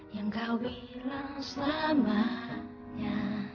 yang kau bilang selamanya